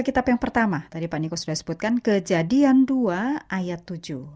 kitab yang pertama tadi pak niko sudah sebutkan kejadian dua ayat tujuh